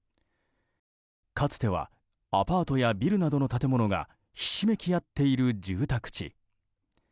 かつてはアパートやビルなどの建物がひしめき合っている住宅地。